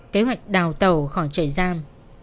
kế hoạch đào tàu khỏi trại giam